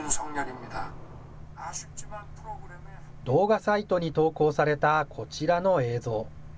動画サイトに投稿されたこちらの映像。